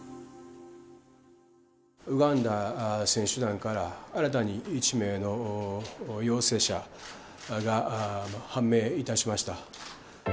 ウガンダ選手団から、新たに１名の陽性者が判明いたしました。